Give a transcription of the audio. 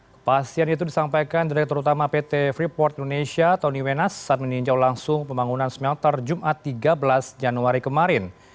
kepastian itu disampaikan direktur utama pt freeport indonesia tony wenas saat meninjau langsung pembangunan smelter jumat tiga belas januari kemarin